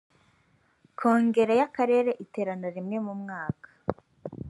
kongere y’akarere iterana rimwe mu mwaka